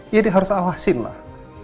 ya dia harus awasin lah